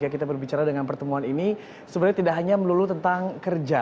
kita berbicara dengan pertemuan ini sebenarnya tidak hanya melulu tentang kerja